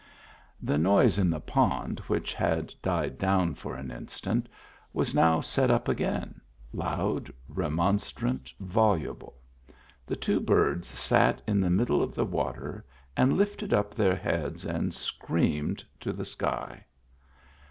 The noise in the pond, which had died down for an instant, was now set up again — loud, re monstrant, voluble ; the two birds sat in the mid dle of the water and lifted up their heads and screamed to the sky.